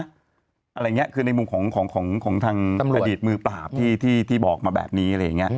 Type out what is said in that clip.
อะไรอย่างนี้คือในมุมของทางประดิษฐ์มือปราบที่บอกมาแบบนี้